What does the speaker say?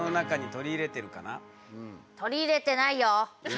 取り入れてないよ。